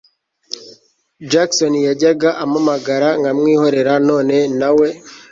Jackson yajyaga ampamagara nkamwihorera none nawe